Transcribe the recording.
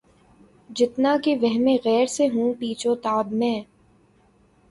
جتنا کہ وہمِ غیر سے ہوں پیچ و تاب میں